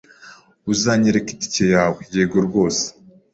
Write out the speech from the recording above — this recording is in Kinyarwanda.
"Uzanyereka itike yawe?" "Yego rwose."